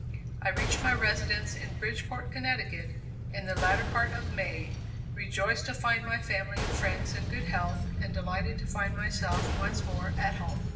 I reached my residence in Bridgeport, Connecticut, in the latter part of May, rejoiced to find my family and friends in good health, and delighted to find myself once more at home.